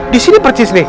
disini persis nih